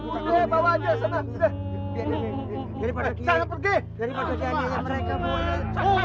udah bawa aja sana